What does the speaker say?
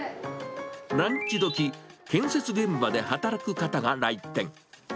ランチどき、建設現場で働く方が来店。